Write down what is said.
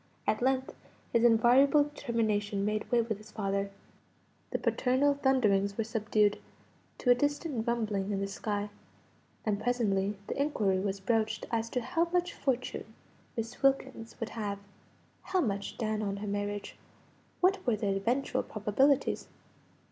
At length, his invariable determination made way with his father; the paternal thunderings were subdued to a distant rumbling in the sky; and presently the inquiry was broached as to how much fortune Miss Wilkins would have; how much down on her marriage; what were the eventual probabilities.